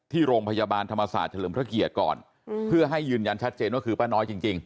ที่โรงพยาบาลธรรมศาสตร์เฉลิมพระเกียรติก่อนเพื่อให้ยืนยันชัดเจนว่าคือป้าน้อยจริง